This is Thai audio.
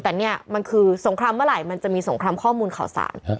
แต่เนี่ยมันคือสงครามเมื่อไหร่มันจะมีสงครามข้อมูลข่าวสาร